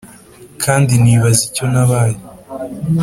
kandi nibaza icyo nabaye.